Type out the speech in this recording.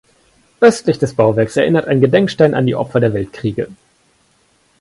Östlich des Bauwerks erinnert ein Gedenkstein an die Opfer der Weltkriege.